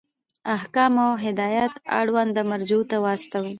احکام او هدایات اړونده مرجعو ته واستوئ.